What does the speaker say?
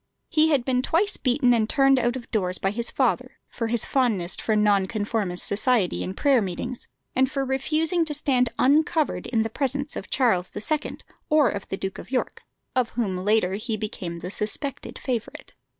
He had been twice beaten and turned out of doors by his father for his fondness for Nonconformist society and prayer meetings, and for refusing to stand uncovered in the presence of Charles II. or of the Duke of York, of whom later he became the suspected favourite.